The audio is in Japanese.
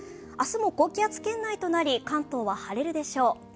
明日も高気圧圏内となり、関東は晴れるでしょう。